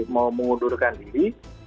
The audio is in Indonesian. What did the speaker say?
mau mengundurkan diri